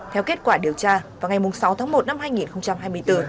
theo kết quả điều tra vào ngày sáu tháng một năm hai nghìn hai mươi bốn